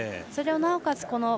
それを、なおかつ